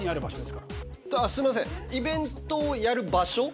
すいませんイベントをやる場所。